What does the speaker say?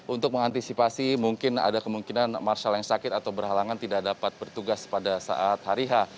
untuk mengantisipasi mungkin ada kemungkinan marshall yang sakit atau berhalangan tidak dapat bertugas pada saat hari h